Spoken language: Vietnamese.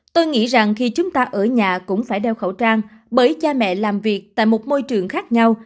tôi nghĩ rằng khi chúng ta ở nhà cũng phải đeo khẩu trang bởi cha mẹ làm việc tại một môi trường khác nhau